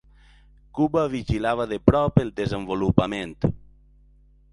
Cuba vigilava de prop el desenvolupament.